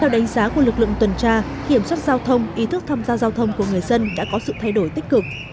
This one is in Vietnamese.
đánh giá của lực lượng tuần tra kiểm soát giao thông ý thức tham gia giao thông của người dân đã có sự thay đổi tích cực